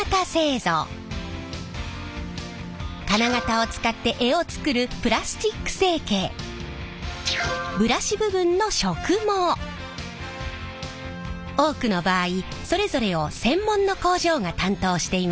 金型を使って柄を作るブラシ部分の多くの場合それぞれを専門の工場が担当しています。